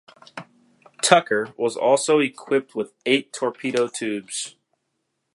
"Tucker" was also equipped with eight torpedo tubes.